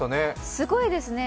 すごいですね。